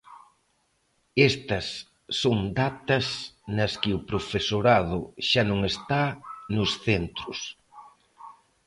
Estas son datas nas que o profesorado xa non está nos centros.